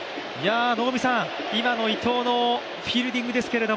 今の伊藤のフィールディングですけど？